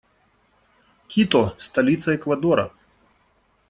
Кито - столица Эквадора.